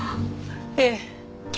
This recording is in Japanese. ええ。